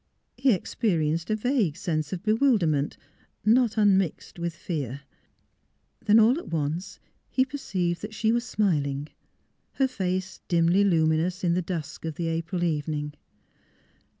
He experi enced a vague sense of bewilderment, not un mixd with fear. Then all at once he perceived that she was smiling, her face dimly luminous in the dusk of the April evening.